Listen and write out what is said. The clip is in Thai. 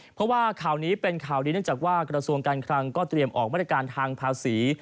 เพราะว่าข่าวนี้เป็นข่าวดีเนื่องจากว่ากระทรวงการคลังก็เตรียมออกมาตรการทางภาษี